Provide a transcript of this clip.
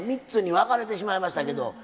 ３つに分かれてしまいましたけど。